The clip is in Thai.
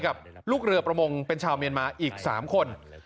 กับลูกเรือประมงเป็นชาวเมียนมาอีก๓คน